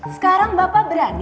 sekarang bapak berantem